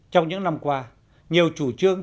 trong những năm qua nhiều chủ trương